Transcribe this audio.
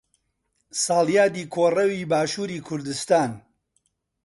ساڵیادی کۆڕەوی باشووری کوردستان